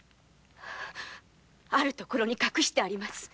ある所に隠してあります。